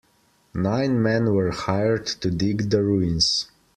Nine men were hired to dig the ruins.